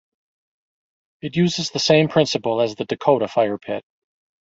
It uses the same principle as the Dakota fire pit.